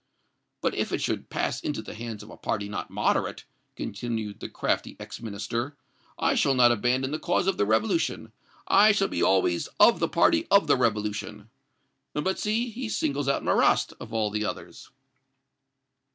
"'But if it should pass into the hands of a party not moderate,' continued the crafty ex Minister, 'I shall not abandon the cause of the revolution. I shall be always of the party of the revolution.' But see, he singles out Marrast, of all others!"